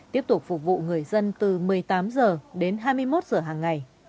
tiếp tục phục vụ người dân từ một mươi tám h đến hai mươi một h hàng ngày